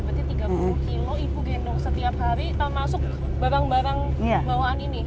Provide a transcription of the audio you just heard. berarti tiga puluh kilo ibu gendong setiap hari termasuk barang barang bawaan ini